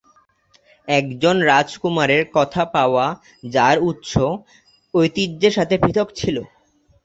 একজন রাজকুমারের কথা পাওয়া যাঁর উৎস ঐতিহ্যের সাথে পৃথক ছিল।